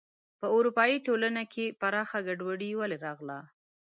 په اروپايي ټولنې کې پراخه ګډوډي ولې راغله.